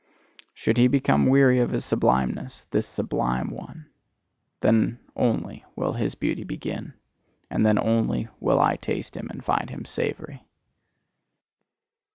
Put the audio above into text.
Should he become weary of his sublimeness, this sublime one, then only will his beauty begin and then only will I taste him and find him savoury.